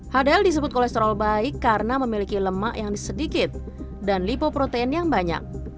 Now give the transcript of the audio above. hadal disebut kolesterol baik karena memiliki lemak yang sedikit dan lipoprotein yang banyak